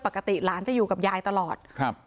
ปกติหลานจะอยู่กับยายตลอดครับ